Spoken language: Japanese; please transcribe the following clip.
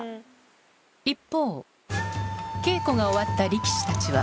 一方、稽古が終わった力士たちは。